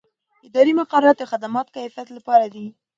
اداري مقررات د خدمت د کیفیت لپاره دي.